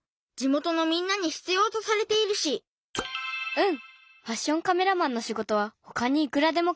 「うん！」。